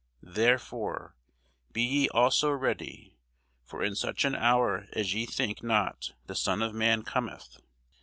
Therefore be ye also ready: for in such an hour as ye think not the Son of man cometh.